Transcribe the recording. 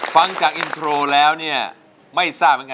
ฟังจากอินโทรแล้วเนี่ยไม่ทราบเหมือนกัน